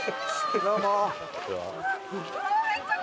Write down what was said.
どうも。